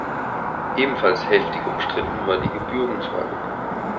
Ebenfalls heftig umstritten war die Gebührenfrage.